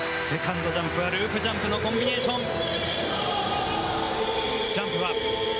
セカンドジャンプはループジャンプのコンビネーション。